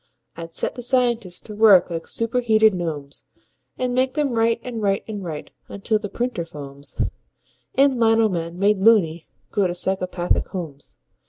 I'd set the scientists to work like superheated gnomes, And make them write and write and write until the printer foams And lino men, made "loony", go to psychopathic homes.